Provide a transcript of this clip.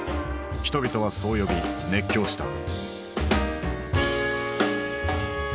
人々はそう呼び熱狂した。